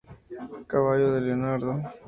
Caballo de Leonardo